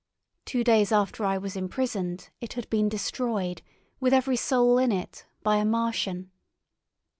Two days after I was imprisoned it had been destroyed, with every soul in it, by a Martian.